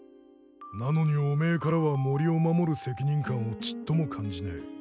なのにおめえからは森を守る責任感をちっとも感じねえ。